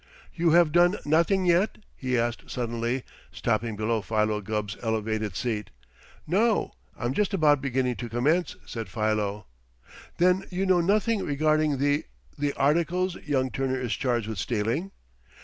"You have done nothing yet?" he asked suddenly, stopping below Philo Gubb's elevated seat. "No, I'm just about beginning to commence," said Philo. "Then you know nothing regarding the the articles young Turner is charged with stealing?"